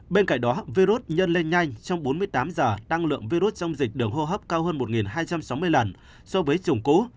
bên cạnh đó virus nhân lên nhanh trong bốn mươi tám giờ đăng lượng virus trong dịch đường hô hấp cao hơn một hai trăm sáu mươi lần so với chủng cũ